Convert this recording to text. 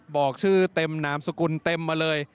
บอกชื่อเต็มนามสกุลเต็มมาเลย